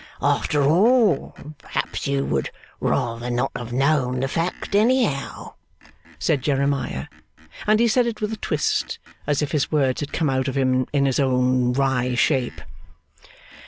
'After all, perhaps you would rather not have known the fact, any how?' said Jeremiah; and he said it with a twist, as if his words had come out of him in his own wry shape.